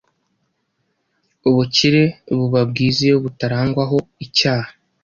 Ubukire buba bwiza iyo butarangwaho icyaha,